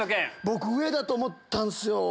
僕上だと思ったんすよ。